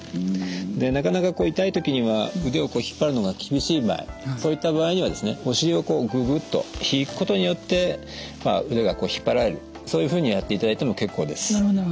でなかなか痛い時には腕をこう引っ張るのが厳しい場合そういった場合にはですねお尻をこうぐぐっと引くことによって腕が引っ張られるそういうふうにやっていただいても結構です。